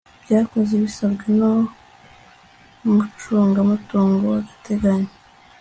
byakozwe bisabwe n'umucungamutungo w'agateganyo